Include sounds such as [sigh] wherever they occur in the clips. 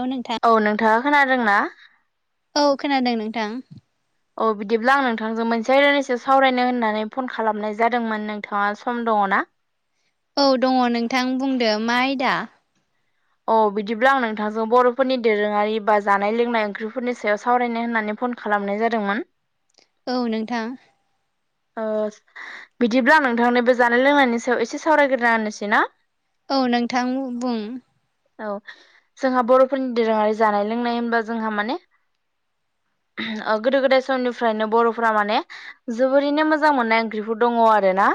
औ नोंथां औ नोंथाङा खोनादोंना? औ खोनादों नोंथां। औ बिदिब्ला आं नोंथांजों मोनसे आयदानि सायाव सावरायनो होननानै फन खालामनाय जादोंमोन नोंथाङा सम दङ ना। औ दङ नोंथां बुंदो मा आयदा औ बिदिब्ला आं नोंथांजों बर'फोरनि दोरोङारि बा जानाय लोंनाय ओंख्रिफोरनि सायाव सावरायनाय होननानै फन खालामनाय जादोंमोन। औ नोंथां। आ बिदिब्ला नोंथांनि बे जानाय लोंनायनि सायाव एसे सावरायग्रोना होनोसै ना औ नोंथां बुं औ जोंहा बर'फोरनि दोरोङारि जानाय लोंनाय होनबा जोंहा माने गोदो गोदाय समनिफ्रायनो बर'फोरा माने जोबोरैनो मोजां मोननाय ओंख्रिफोर दङ आरो ना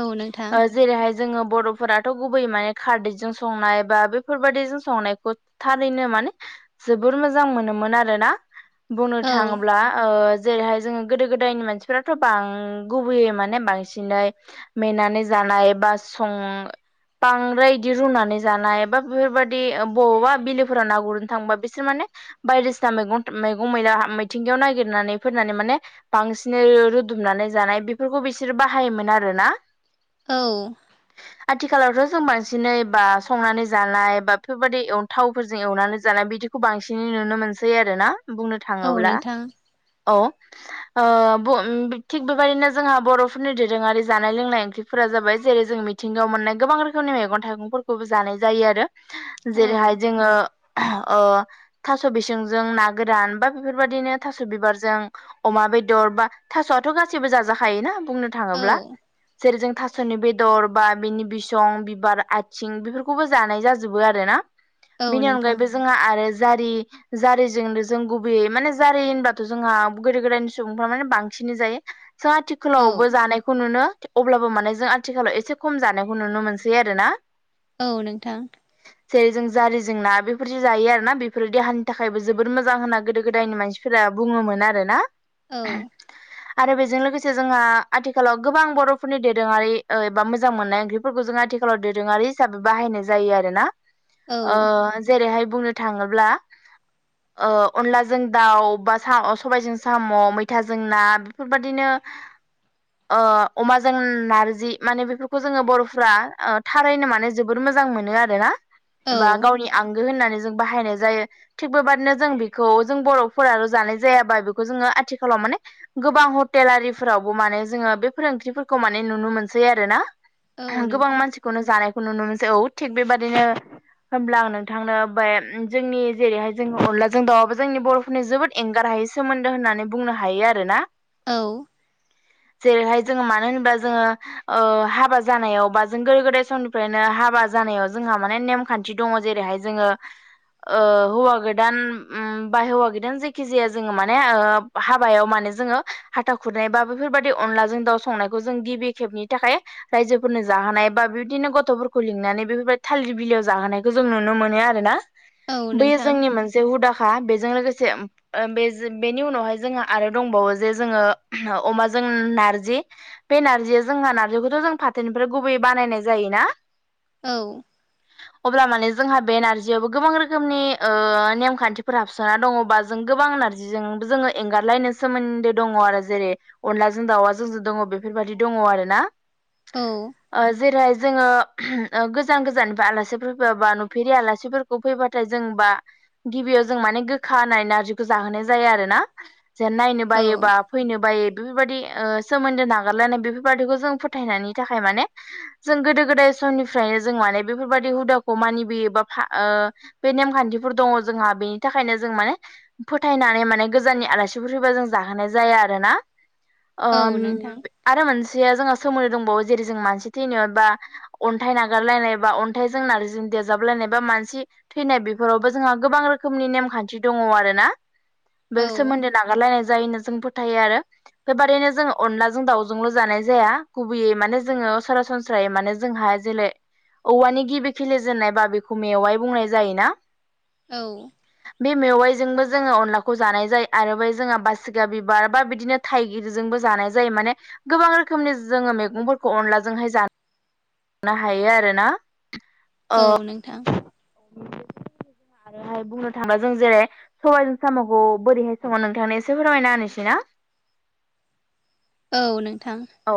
औ नोंथां जेरैहाय जोङो बर'फोराथ' गुबैयै माने खारदैजों संनाय बेफोरबायदि जों संनायखौ थारैनो माने जोबोर मोजां मोनोमोन आरोना। बुंनो औ थाङोब्ला। जेरैहाय जोङो गोदो गोदायनि मानसिफ्राथ' बां गुबैयै माने बांसिनै मेनानै जानाय बा सं बांद्राय बिदि रुनानै जानाय एा बेफोरबदि बबावबा बिलोफोरा ना गुरनो थांबा बिसोर माने बायदिसिना मैगं मैगं मैला मिथिंगायाव ननायागिरनानै फोननानै माने बांसिनै रुदुमनानै जानाय बेफोरखौ बिसोरो बाहायोमोन आरोना। औ। आथिखालावथ' जों बांसिनै बा संनानै जानाय बा बेफोरबायाददि थावफोरजों एवनानै जानाय बिदिखौ बांसिनै नुनो मोनसै आरोना बुंनो औ थाङोब्ला नोंथां औ ओ थिग बेबायदिनो जोंहा बर'फोरनि दोरोङारि जानाय लोंनाय ओंख्रिफोरा जाबाय जेरै जों मिथिंगायाव मोननाय गोबां रोखोमनि मेगं थाइगंफोरखौबो जानाय जायो आरो औ जेरैहाय जोङो ओ थास' बिसंजों ना गोरान बा बेफोरबायदिनो थास' बिबारजों अमा बेदर बा थास'आथ' गासिबो जाजाखायोना बुंनो औ थाङोब्ला जेरै जों थास'नि बेदर बा बिनि बिसं बिबार आइथिंफोर खौबो जानाय जाजोबो आरोना औ बेनि नोंथां अनगायैबो जोङा आरो जारि जारिजोंनो जों गुबैयै माने जारि होनबाथ' जोंहा गोदो गोदायनि सुबुंफ्रा माने बांसिन जायो। जाथो औ खोलावबो जानायखौ नुनो अब्लाबो माने जों आथिखालाव एसे खम जानायखौ नुनो मोनसै आरोना औ नोंथां जेरै जों जारिजों ना बेफोर जि जायो आरोना बेफोर देहानि थाखायबो जोबोद मोजां होनना गोदो गोदायनि मानसि फोरा बुङोमोन आरोना औ आरो बेजों लोगोसे जोंहा आथिखालाव गोबां बर'फोरनि दोरोङारि ओ एबा मोजां मोननाय ओंख्रि फोरखौ आथिखालाव दोरोङारि हिसाबै बाहायनाय जायो आरोना औ ओ जेरैहाय बुंनो थाङोब्ला [inaudible] ओ अनलाजों दाउ बा सबाइजों साम' मैथाजों ना बेफोरबायदिनो [inaudible] ओ अमाजों नारजि माने बेफोरखौ जोङो बर'फ्रा ओ थारैनो माने जोबोर मोजां मोनो आरोना औ बा गावनि आंगो होननानै जों बाहायनाय जायो। थिग बेबायदिनो जों बेखौ जों बर'फोराल' जानाय जायाबा बेखौ जोङो आथिखालाव माने गोबां हटेलारिफोरावबो माने जोङो बेफो ओंख्रिफोरखौ माने नुनो मोनसै आरोना औ गोबां नोंथां मानसिखौनो जानायखौ नुनो मोनसै औ थिग बेबादिनो होमब्ला आं नोंथांनो बे‌ जोंनि जेरैहाय जोंङो अनलाजों दावाबो जोंनि बर'फोरनि जोबोद एंगारहायै सोमोन्दो होननानै बुंनो हायो आरोना। औ जेरैहाय जोङो मानो होनोबा जोङो ओ हाबा जानायाव बा जों गोदो गोदाय सम फ्रायनो हाबा जानायाव जोंहा माने नेमखान्थि दङ जेरैहाय जोङो ओ हौवा गोदान उम बा हौवा गोदान जायखि जाया जोङो माने ओ हाबायाव माने जोङो हाथा खुरनाय बा बेफोरबायदि अनलाजों दाउ संनायखौ जों गिबि खेबनि थाखाय रायजोफोरनो जाहोनाय बा बिबदिनो गथ' गथ'फोरखौ लिंनानै बेफोरबायदि थालिरबिलियाव जाहोनायखौ जों नुनो मोनो आरोना औ बैयो नोंथां जोंनि मोन से हुदाखा बेजों लोगोसे ओ बे बेनि उनावहाय जोंहा आरो दंबावो जे जोङो अमाजों नारजि बे नारजिया जोंहा नारजिखौथ' जों फाथोनिफ्राय गुबैयै बानायनाय जायो ना औ अब्ला माने जोंहा बे नारजियाबो गोबां रोखोमनि ओ नेम खान्थिफोर हाब सनना दङबा जों गोबां नारजिजों जोङो एंगारलायनो सोमोन्दो दङ आरो जेरै अनलाजों दाउवा जोंजों दङ बेफोरबायदि दङ आरोना औ ओ जेरैहाय जोङो गोजान गोजाननिफ्राय आलासिफोर फैबा बा नुफेरि आलासिफोरखौ फैबाथाय जोंबा गिबियाव जों माने गोखा होनानाय नारजिखौ जाहोनाय जाया आरोना जेन नायनो औ बायोबा फैनो बायो बेफोरबायदि ओ सोमोन्दो नागारलानाय बेफोरबादिखौ जों फोथायनायनि थाखाय माने जों गोदो गोदाय समनिफ्रायनो जों माने बेफोरबायदि हुदाखौ मानिबोयोबा फा ओ बे नेमखान्थिफोर दङ जोंहा बेनि थाखायनो जों माने फोथायनानै माने गोजाननि आलासिफोर फैबा जों जाहोनाय जाया आरोना। औ ओम नोंथां आरो मोनसेया जोंहा सोमोनदो दंबावो जेरै जों मानसि थैनाय बा अन्थाइ नागारलायनाय बा अन्थाइजों नारजिजों देजाबलायनाय बा मानसि थैनाय बेफोरावबो जोंहा गोबां रोखोमनि नेमखान्थि दङ' आरोना औ बे सोमोन्दो नागारलायनाय जायो जों फोथायो आरो बेबादिनो जोङो अनलाजों दाउजोंल' जानाय जाया गुबैयै माने जोङो सरासनस्रायै माने जोंहा जेलै औवानि गिबि खिलिजेननाय बा बेखौ मेवाय बुंनाय जायोना औ बे मेवाइजोंबो जोङो अनलाखौ जानाय जाय आरो बे जोंहा बासिगा बिबार बा बिदिनो थाइगिरजोंबो जानाय जायो माने गोबां रोखोमनि जोङो मैगंफोरखौ अनलाजोंहाय जानो नो हायो आरोना ओ औ नोंथां आरोहाय बुंनो थाङोबा जों जेरै सबाइजों साम'खौ बोरैहाय सङो नोंथांनो एसे फोरमायना होनोसै ना औ नोंथां औ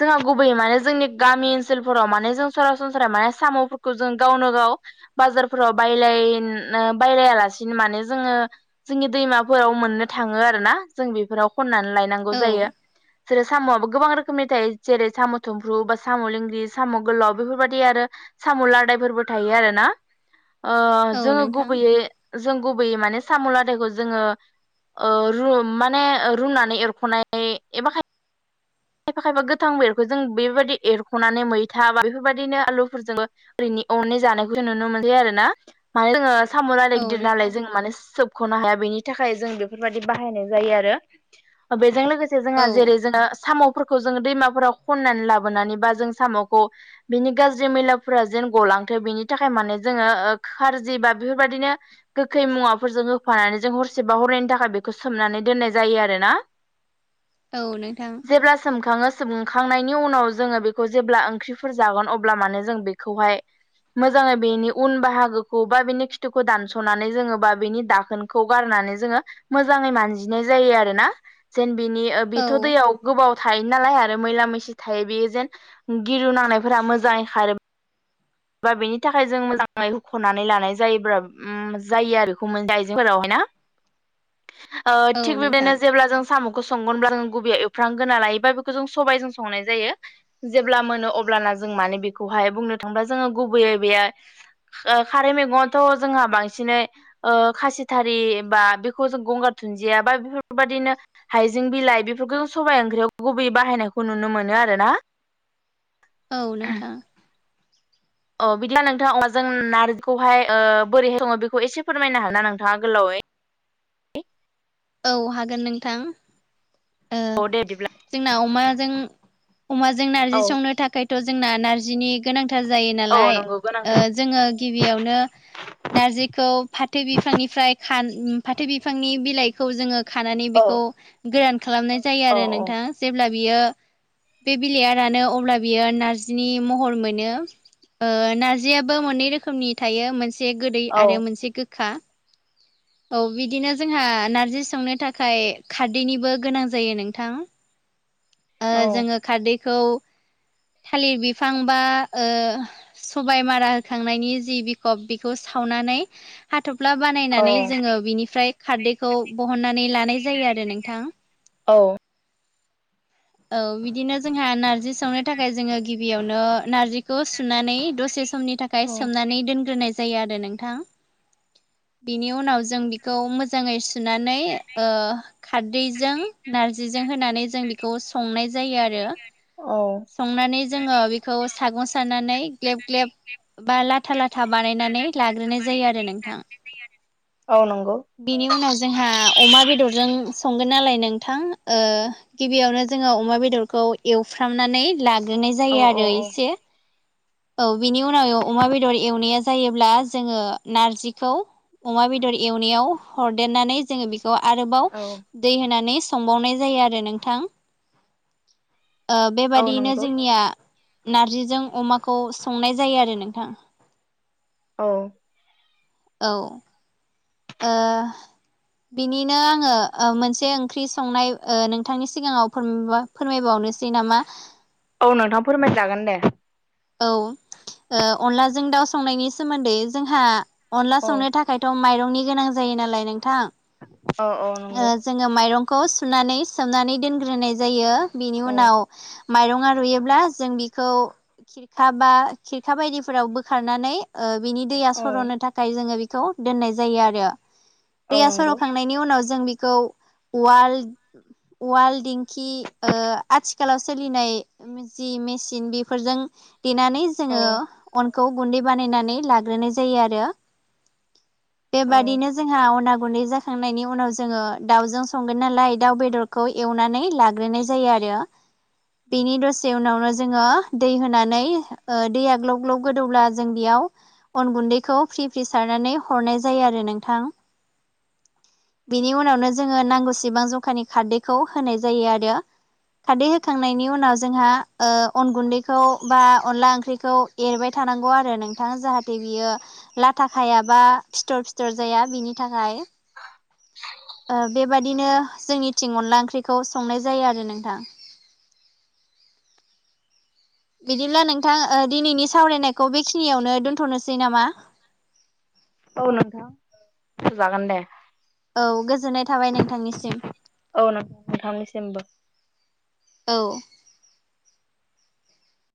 जोंहा गुबैयै माने जोंनि गामि सोलफोराव माने जों सरासनस्रा माने साम'फोरखौ जों गावनो गाव बाजारफोराव बायलाय बायलायालासिनो माने जोङो जोंनि दैमाफोराव मोननो थाङो आरोना जों बेफोराव खननानै लाय नांगौ औ जायो जेरै सामुआबो गोबां रोखोमनि थायो, जेरै सामु थुमफ्रु बा सामु लिं ग्रि साम' गोलाव बेफोरबायदि आरो साम' लादायफोरबो थायो आरोना ओ औ जोङो नोंथां औ गुबैयै जों गुबैयै माने साम' लादायखौ जोङो ओ रू माने रुनानै एरख'नाय एबा खाय खायफा खायफा गोथां बेरखौ जों बेबायदि एरख सनानै मैथा बा बेफोरबायदिनो आलुफोरजोंबो ओरैनि अनै जानायखौ नुनो मोनसै आरोना माने जोङो साम'लादाय गिदिर नालाय नोंथां जों माने सोब ख'नो हाया बेनि थाखाय जों बेफोरबायदि बाहायनाय जायो आरो बेजों लोगोसे जोंहा औ जेरै जोङो साम'फोरखौ जोङो दैमाफोराव खननानै लाबोनानै बा जों साम'खौ बिनि गाज्रि मैलाफोरा जेन गलांथों बिनि थाखाय माने जोङो ओ खारजि बा बेफोरबायदिनो गोखै मुवाफोरजों होफानानै जों हरसेबा हरैनायनि थाखाय बेखौ सोमनानै दोननाय जायो आरोना औ नोंथां। जेब्ला सोमखाङो सोमखांनायनि उनाव जोङो बे खौ जेब्ला ओंख्रिफोर जागोन अब्ला माने जों बेखौहाय मोजाङै बेनि उन बाहागोखौ बा बेनि खिथुखौ दानस'नानै जोङो बा बेनि दाखोन खौ गारनानै जोङो मोजाङै मानजिनाय जायो आरोना जेन बिनि औ बेथ' दैयाव गोबाव थायो नालाय आरो मैला मैसि थायो बेयो जेन गिरु नांनायफोरा मोजाङै खारो बा बेनि थाखाय जों मोजाङै हुख'नानै लानाय जायोब्ला ओम जायो आरो बेखौ दाइजेंफोरावहायना ओ थिग नोंथां बेबादिनो जेब्ला जों साम'खौ संगोनब्ला जों गुबैयाव एवफ्राम गोरना लायोबा बेखौ जों सबबायजों संनाय जायो जेब्ला मोनो अब्लाना जों माने बेखौहाय बुंनो थांबा जोङो गुबैयै बेयो ओ खारै मैगंआथ' जोंहा बांसिनै ओ खासिथारि बा बेखौ जों गंगार दुनदिया बा बेफोरबादिनो हाइजें बिलाइ बेफोरखौ जों स'बाय ओंख्रियाव गुबैयै बाहायनायखौ नुनो मोनो आरोना औ नोंथां अ बिदिब्ला नोंथाङा अमाजों नार्जिखौहाय ओ बोरैहाय सङो बेखौ एसे फोरमायनो हागोनना नोंथाङा गोलावै औ हागोन नोंथां। ओ औ दे बिदिब्ला जोंना अमाजों अमाजों औ नारजि संनो थाखायथ' जोंना नारजिनि गोनांथार जायो औ नालाय नंगौ ओ गोनांथार जोङो गिबियावनो नारजिखौ फाथो बिफांनिफ्राय खा फाथो बिफांनि बिलाइ खौ जोङो खानानै औ बेखौ गोरान खालामनाय जायो औ आरो औ नोंथां जेब्ला बियो बे बिलाइयानो अब्ला बियो नारजिनि महर मोनो नारजियाबो मोननै रोखोमनि थायो मोन से औ आरो मोनसे गोखा औ बिदिनो जोंहा नार जि संनो थाखाय खारदैनिबो गोनां जायो नोंथां ओ औ जोङो खारदैखौ थालिर बिफां ओ बा सबाय मारा होखांनायनि जि बिखब बेखौ सावनानै हाथ'फ्ला बानायनानै जोङो बिनिफ्राय खारदैखौ बहननानै लानाय जायो आरो नोंथां औ औ बिदिनो जोंहा नारजि सावनो थाखाय जोङो गिबियावनो नारजिखौ सुनानै दसे समनि था खाय औ सोमनानै दोनग्रोनाय जायो आरो नोंथां बिनि उनाव जों बिखौ मोजाङै सुनानै ओ खारदैजों नारजिजों होनानै जों बेखौ संनाय जायो आरो संनानै जोङो बेखौ सागं सारनानै ग्लेब ग्लेब बा ला था लाथा बानायनानै लाग्रोनाय जायो आरो नोंथां औ नंगौ बिनि उनाव जोंहा अमा बेदरजों संगोन नालाय नोंथां ओ गिबियावनो जोङो अमा बेदरखौ एवफ्रामनानै लाग्रोनाय औ जायो औ आरो औ एसे औ बिनि उनाव अमा बेदर एवनाया जायोब्ला जोङो नारजिखौ अमा बेदर एवनायाव हरदेरनानै जोङो बे खौ आरोबाव औ दै होनानै संबावनाय जायो आरो नोंथां ओ औ बेबादियैनो नंगौ जोंनिया नारजिजों अमाखौ संनाय जायो आरो नोंथां। औ औ ओ बिनिनो आङो ओ मोनसे ओंख्रि संनाय ओ नोंथांनि सिगाङाव फोरमा फोरमायबावनोसै नामा औ नोंथां फोरमायजागोन दे औ ओ अनलाजों दाउ संनायनि सोमोन्दै जोंहा अनला औ संनो थाखाय थ' माइरंनि गोनां जायो नालाय नोंथां औ औ ओ नंगौ जोङो माइरंखौ सुनानै सोमनानै दोनग्रोनाय जायो बेनि औ उनाव माइरङा रुयोब्ला जों बिखौ खाबा खिरखा बायदिफोराव बोखारनानै ओ बिनि दैया औ सर'नो थाखाय जोङो बि खौ दोननाय जायो आरो औ दैया नंगौ सर'खांनायनि उनाव जों बेखौ उवाल उवाल दिेंखि ओ आथिखालाव सोलिनाय जि मेसिन बेफोरजों देनानै औ जोङो अनखौ गुन्दै बानायनानै लाग्रोनाय जायो आरो औ बेबादिनो जोंहा अना गुन्दै जा खांनायनि उनाव जोङो दाउजों संगोन नालाय दाउ बेदरखौ एवनानै लाग्रोनाय जायो आरो बेनि दसे उनावनो जोङो दै होना नै ओ दैया ग्लब ग्लब गोदौब्ला जों बेयाव अन गुन्दैखौ फ्रि फ्रि सारनानै हरनाय जायो आरो नोंथां बिनि उनावनो जोङो नांगौसेबां जंखानि खारदैखौ होनाय जायो आरो खारदै होखांनायनि उनाव जोंहा ओ अन गुन्दैखौ बा अनला ओंख्रिखौ एरबाय थानांगौ आरो नोंथाङा जाहाथे बियो लाथा खायाबा फिथर फिथर जाया बिनि थाखाय बेबादिनो जोंनि थिं अनला ओंख्रिखौ संनाय जायो आरो नोंथां बिदिब्ला नोंथां दिनैनि सावरायनायखौ बेखिनियावनो दोन्थ'नोसै नामा औ नोंथां दोनथ' जागोन दे औ गोजोननाय थाबाय नोंथांनिसिम औ नोंथां नोंथांनिसिमबो औ